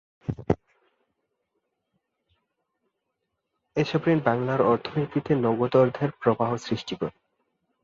এসব ঋণ বাংলার অর্থনীতিতে নগদ অর্থের প্রবাহ বৃদ্ধি করে।